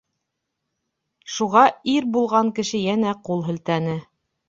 Шуға ир булған кеше йәнә ҡул һелтәне.